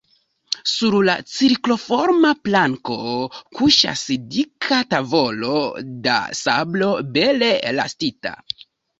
Sur la cirkloforma planko kuŝas dika tavolo da sablo bele rastita.